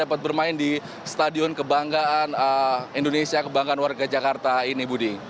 dapat bermain di stadion kebanggaan indonesia kebanggaan warga jakarta ini budi